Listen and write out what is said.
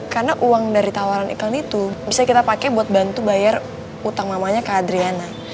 karena uang dari tawaran iklan itu bisa kita pake buat bantu bayar utang mamanya ke adriana